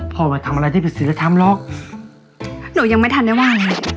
พ่อไม่ทำอะไรที่เป็นศิลป์และทำหรอกหนูยังไม่ทันได้ว่าเลยน่ะ